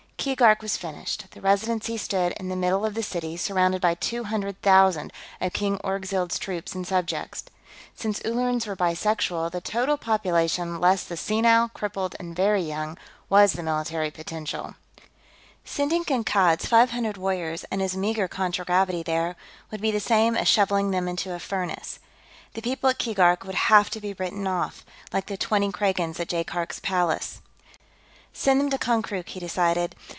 Keegark was finished; the Residency stood in the middle of the city, surrounded by two hundred thousand of King Orgzild's troops and subjects. Since Ullerans were bisexual, the total population, less the senile, crippled, and very young, was the military potential. Sending Kankad's five hundred warriors and his meager contragravity there would be the same as shoveling them into a furnace. The people at Keegark would have to be written off, like the twenty Kragans at Jaikark's palace. "Send them to Konkrook," he decided.